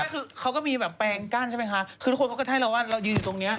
ใช่คือเขาก็มีแบบแปลงกั้นใช่ไหมคะคือทุกคนเขาก็ให้เราว่าเรายืนอยู่ตรงเนี้ย